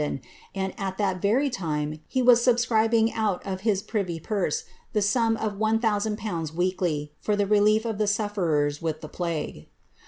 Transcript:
don, and at tliis very time he was subscribing out of his privy pone the feiuin of 1000/. weekly, for tlie relief of the sufferers with the plague.